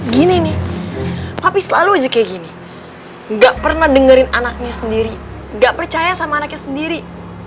gini nih tapi selalu aja kayak gini nggak pernah dengerin anaknya sendiri gak percaya sama anaknya sendiri